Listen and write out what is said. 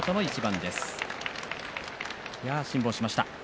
いやあ、辛抱しました。